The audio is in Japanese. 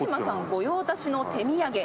御用達の手土産。